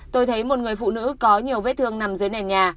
tôi thấy một người phụ nữ có nhiều vết thương nằm dưới nền nhà